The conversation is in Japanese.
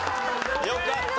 よかった。